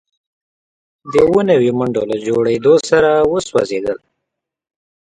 د اووه نوي منډو له جوړیدو سره وسوځیدل